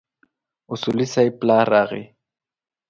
اصولي صیب پلار راغی.